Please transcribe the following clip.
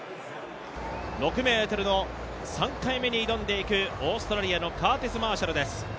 ６ｍの３回目に挑んでいくオーストラリアのカーティス・マーシャルです